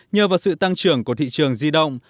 nhờ vào sự tăng trưởng của thị trường di động